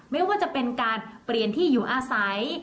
ไม่ว่าจะเป็นการเปลี่ยนที่อยู่อาศัย